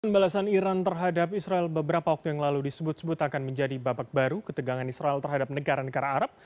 pembalasan iran terhadap israel beberapa waktu yang lalu disebut sebut akan menjadi babak baru ketegangan israel terhadap negara negara arab